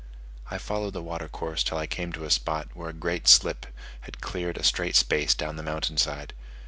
I followed the water course till I came to a spot where a great slip had cleared a straight space down the mountain side.